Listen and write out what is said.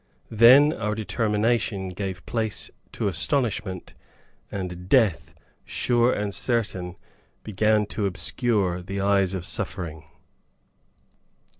Then our determination gave place to astonishment, and death, sure and certain, began to obscure the eyes of suffering.